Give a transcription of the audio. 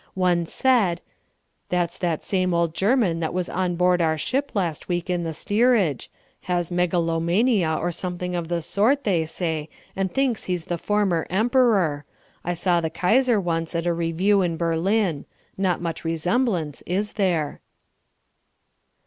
One said, "That's that same old German that was on board our ship last week in the steerage has megalomania or something of the sort, they say, and thinks he's the former Emperor: I saw the Kaiser once at a review in Berlin, not much resemblance, is there?"